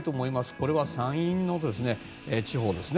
これは山陰地方ですね。